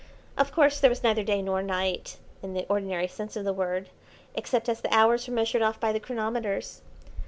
Of course, there was neither day nor night, in the ordinary sense of the word, except as the hours were measured off by the chronometers.